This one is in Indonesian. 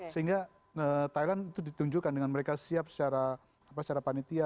sehingga thailand itu ditunjukkan dengan mereka siap secara panitia